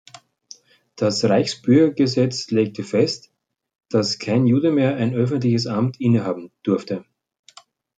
Das Reichsbürgergesetz legte fest, dass kein Jude mehr ein öffentliches Amt innehaben durfte.